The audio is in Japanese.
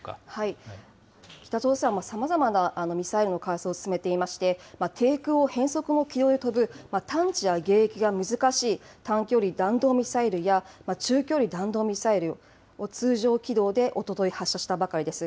北朝鮮はさまざまなミサイルの開発を進めていまして、低空を変則の軌道で飛ぶ、探知や迎撃が難しい短距離弾道ミサイルや、中距離弾道ミサイルを通常軌道でおととい、発射したばかりです。